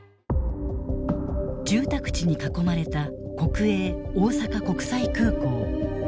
住宅地に囲まれた国営大阪国際空港。